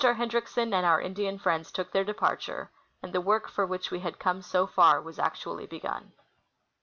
Hendricksen and our Indian friends took their departure, and the work for which we had come so far Avas actually Ijcgun'.